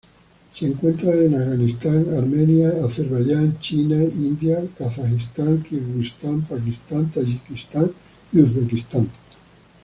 Se encuentran en Afganistán, Armenia, Azerbaiyán, China, India, Kazajistán, Kirguistán, Pakistán, Tayikistán, y Uzbekistán.